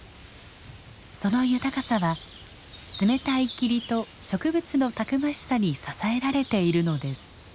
その豊かさは冷たい霧と植物のたくましさに支えられているのです。